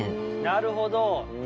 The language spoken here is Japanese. なるほど！